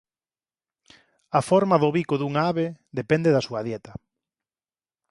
A forma do bico dunha ave depende da súa dieta.